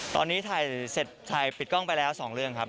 ตอนนี้ถ่ายเสร็จถ่ายปิดกล้องไปแล้ว๒เรื่องครับ